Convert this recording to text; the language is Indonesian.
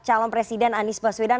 salam presiden anies baswedan